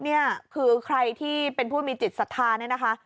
นี่คือใครที่เป็นผู้มีจิตศรัทธาเนี่ยนะคะ